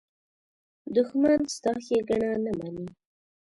دښمن ستا ښېګڼه نه مني